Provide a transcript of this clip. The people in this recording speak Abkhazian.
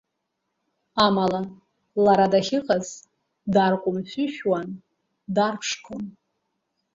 Амала, лара дахьыҟаз дарҟәымшәышәуан, дарԥшқон.